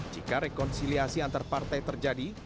jika rekonsiliasi antar partai terjadi